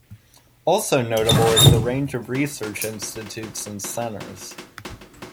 Also notable is the range of research institutes and centers.